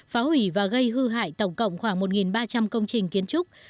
phá hủy và gây hư hại tổng cộng khoảng một ba trăm linh công trình kiến trúc